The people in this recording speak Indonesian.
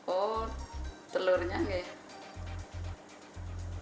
oh telurnya enggak